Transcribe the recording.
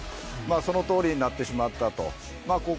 そのとおりになってしまったと。